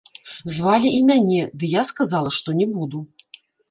Звалі і мяне, ды я сказала, што не буду.